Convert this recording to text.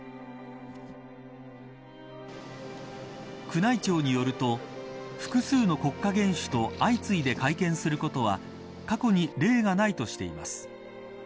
宮内庁によると複数の国家元首と相次いで会見することは過去に例がないとしています。